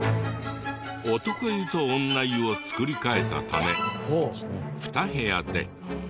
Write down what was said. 男湯と女湯を造り替えたため２部屋で。